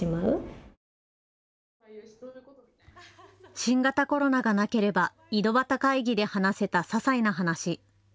新型コロナがなければ井戸端会議で話せたささいな話。